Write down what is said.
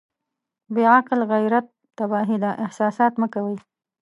بې عقل غيرت تباهي ده احساسات مه کوئ.